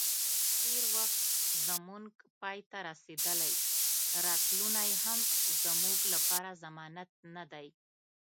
تیر وخت زمونږ پای ته رسیدلی، راتلونی هم زموږ لپاره ضمانت نه دی